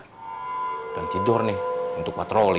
sudah tidur nih untuk patroli